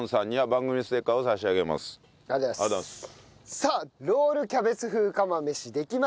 さあロールキャベツ風釜飯できました。